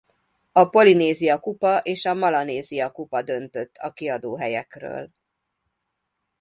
A Polinézia-kupa és a Melanézia-kupa döntött a kiadó helyekről.